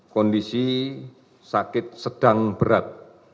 kondisi sakit sedang berat